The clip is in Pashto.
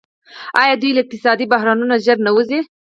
آیا دوی له اقتصادي بحرانونو ژر نه وځي؟